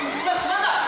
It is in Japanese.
何だ？